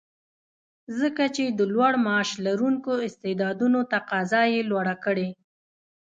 ځکه چې د لوړ معاش لرونکو استعدادونو تقاضا یې لوړه کړې